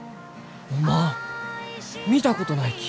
おまん見たことないき。